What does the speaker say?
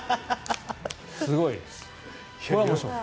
すごいです。